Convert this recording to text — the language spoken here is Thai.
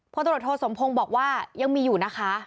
ตรวจโทสมพงศ์บอกว่ายังมีอยู่นะคะ